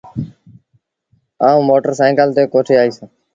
آئوٚݩ موٽر سآئيٚڪل تي ڪوٺي آئيٚس۔